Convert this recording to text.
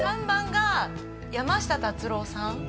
３番が「山下達郎」さん。